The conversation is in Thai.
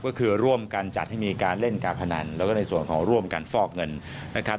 ก็คือร่วมกันจัดให้มีการเล่นการพนันแล้วก็ในส่วนของร่วมกันฟอกเงินนะครับ